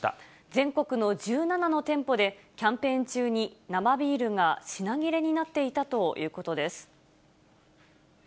全国の１７の店舗で、キャンペーン中に生ビールが品切れになっていたということです。